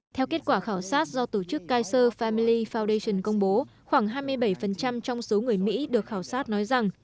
theo kết quả khảo sát do tổ chức kaiser family foundation công bố khoảng hai mươi bảy trong số người mỹ được khảo sát nói rằng